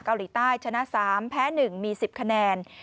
เกาหลีใต้ชนะ๓แพ้๑มี๑๐คะแนน